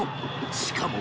しかも。